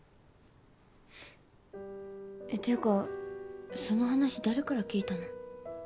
ていうかその話誰から聞いたの？